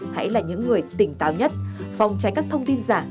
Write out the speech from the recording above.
hãy là những người tỉnh táo nhất phòng tránh các thông tin giả